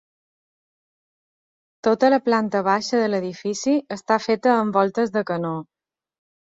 Tota la planta baixa de l'edifici està feta amb voltes de canó.